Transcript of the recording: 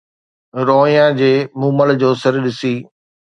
روئيان جي مومل جو سر ڏسي